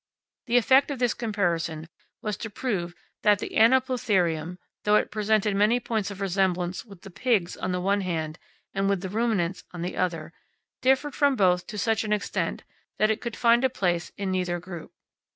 The effect of this comparison was to prove that the Anoplotherium, though it presented many points of resemblance with the pigs on the one hand and with the ruminants on the other, differed from both to such an extent that it could find a place in neither group.